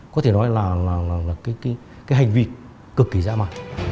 có thể nói là cái hành vi cực kỳ dã mờ